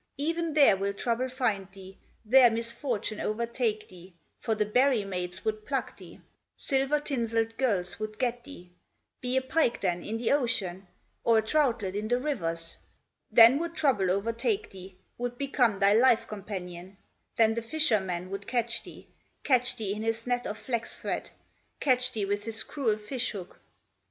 Even there will trouble find thee, There misfortune overtake thee, For the berry maids would pluck thee, Silver tinselled girls would get thee. Be a pike then in the ocean, Or a troutlet in the rivers? Then would trouble overtake thee, Would become thy life companion; Then the fisherman would catch thee, Catch thee in his net of flax thread, Catch thee with his cruel fish hook.